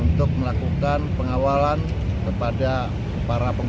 untuk melakukan pengawalan kepada para pengguna